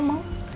gak makasih din